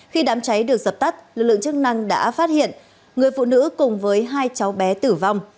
khi đám cháy được dập tắt lực lượng chức năng đã phát hiện người phụ nữ cùng với hai cháu bé tử vong